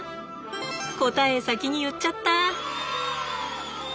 答え先に言っちゃった。